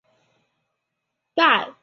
在果阿他又因负债被关押。